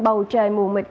bầu trời mù mịch